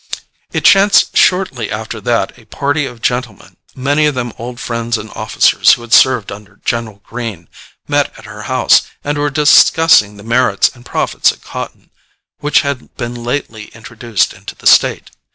It chanced shortly after that a party of gentlemen, many of them old friends and officers who had served under General Greene, met at her house, and were discussing the merits and profits of cotton, which had been lately introduced into the State.